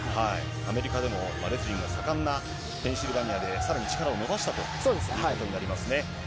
アメリカでもレスリングが盛んなペンシルベニアで、さらに力を伸ばしたということになりますね。